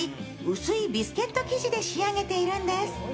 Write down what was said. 薄いビスケット生地で仕上げているんです。